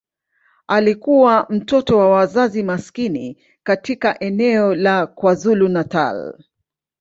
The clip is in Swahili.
Alikuwa mtoto wa wazazi maskini katika eneo la KwaZulu-Natal.